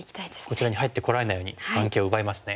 こちらに入ってこられないように眼形を奪いますね。